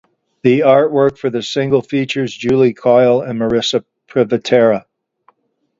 The artwork for the single features Julie Coyle and Marisa Privitera.